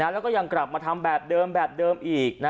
แล้วก็ยังกลับมาทำแบบเดิมแบบเดิมอีก